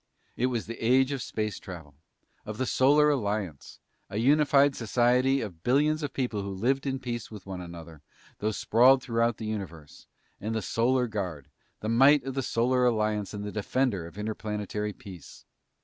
It was the age of space travel; of the Solar Alliance, a unified society of billions of people who lived in peace with one another, though sprawled throughout the universe; and the Solar Guard, the might of the Solar Alliance and the defender of interplanetary peace.